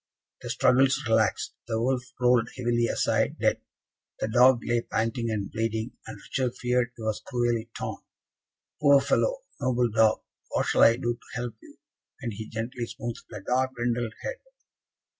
The struggles relaxed, the wolf rolled heavily aside, dead; the dog lay panting and bleeding, and Richard feared he was cruelly torn. "Poor fellow! noble dog! what shall I do to help you?" and he gently smoothed the dark brindled head.